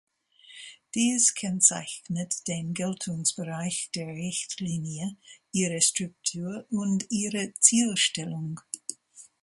Dies kennzeichnet den Geltungsbereich der Richtlinie, ihre Struktur und ihre Zielstellung.